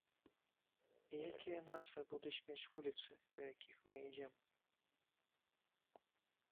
І якія назвы будуць мець вуліцы, па якіх мы ідзём?